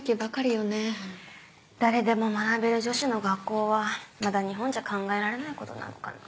誰でも学べる女子の学校はまだ日本じゃ考えられない事なのかな。